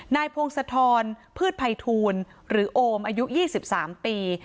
นายพวงสะทอนพืชไพทูลหรือโอมอายุ๒๓ปี